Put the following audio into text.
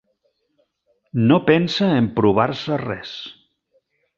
No pensa emprovar-se res.